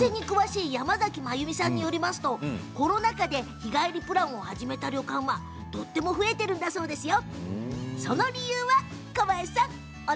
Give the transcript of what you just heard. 温泉に詳しい山崎まゆみさんによりますとコロナ禍で日帰りプランを始めた旅館はとても増えているんだそうですよ。